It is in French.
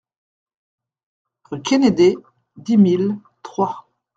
Rue Quennedey, dix mille Troyes